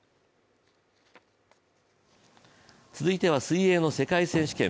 続いては水泳の世界選手権。